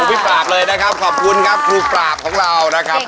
พี่ปราบเลยนะครับขอบคุณครับครูปราบของเรานะครับ